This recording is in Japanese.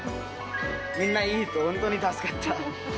みんな、いい人、本当に助かった。